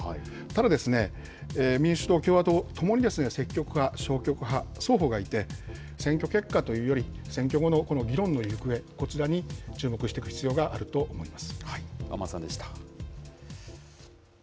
ただ、民主党、共和党ともに積極派、消極派、双方がいて、選挙結果というより、選挙後の議論の行方、こちらに注目していく必要があると思います。